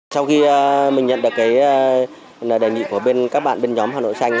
sau khi mình nhận được cái đề nghị của các bạn bên nhóm hà nội xanh